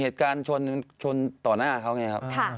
เหตุการณ์ชนต่อหน้าเขาไงครับ